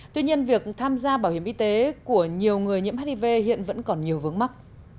tuy nhiên việc tham gia bảo hiểm y tế của nhiều người nhiễm hiv hiện vẫn còn nhiều vướng mắt